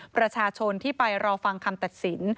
ประชาชนที่ไปรอฟังคำตัดสิน